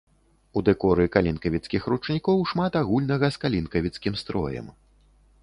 У дэкоры калінкавіцкіх ручнікоў шмат агульнага з калінкавіцкім строем.